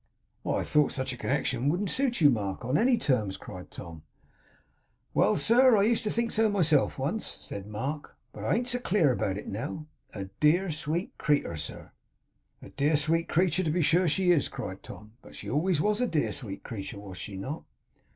'Why I thought such a connection wouldn't suit you, Mark, on any terms!' cried Tom. 'Well, sir! I used to think so myself, once,' said Mark. 'But I ain't so clear about it now. A dear, sweet creetur, sir!' 'A dear, sweet creature? To be sure she is,' cried Tom. 'But she always was a dear, sweet creature, was she not?